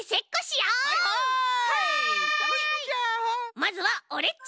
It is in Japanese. まずはオレっち！